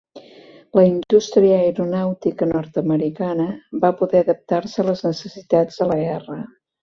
La indústria aeronàutica nord-americana va poder adaptar-se a les necessitats de la guerra.